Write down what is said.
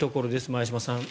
前嶋さん。